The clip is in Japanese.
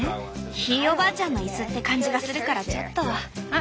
ひいおばあちゃんのイスって感じがするからちょっと。